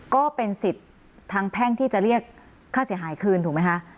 ก็เป็นสิทธิ์ทางแพ่งที่จะเรียกค่าเสียหายคืนถูกไหมคะ